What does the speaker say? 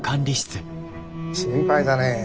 心配だねえ。